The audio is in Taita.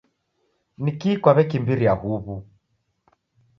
Niki kwaw'ekimbiria uw'u?